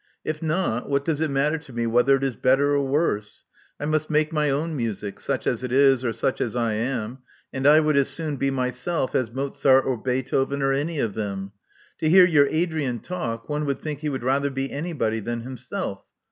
If not, what does it matter to me whether it is better or worse? I must make my own music, such as it is or such as I am — and I would as soon be myself as Mozart or Beethoven or any of them. To hear your Adrian talk one would think he would rather be anybody than himself.